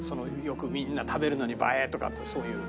よくみんな食べるのに映えとかってそういう。